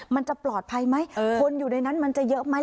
มันจะปลอดภัยไหมคนอยู่ในนั้นมันจะเยอะไหม